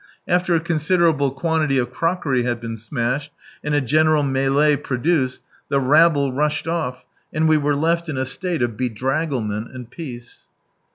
After a considerable quantity of crockery had been smashed, and a general melee produced, the rabble rushed off, and we were left in a slate ol be draggle raent and peace.